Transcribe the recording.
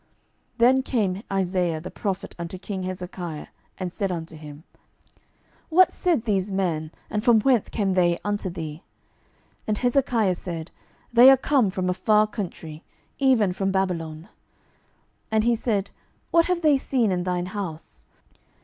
12:020:014 Then came Isaiah the prophet unto king Hezekiah, and said unto him, What said these men? and from whence came they unto thee? And Hezekiah said, They are come from a far country, even from Babylon. 12:020:015 And he said, What have they seen in thine house?